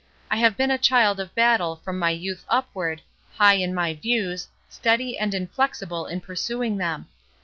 I have been a child of battle from my youth upward, high in my views, steady and inflexible in pursuing them.